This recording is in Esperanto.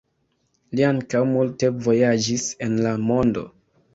Li ankaŭ multe vojaĝis en la mondo.